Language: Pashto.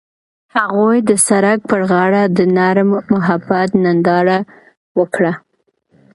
هغوی د سړک پر غاړه د نرم محبت ننداره وکړه.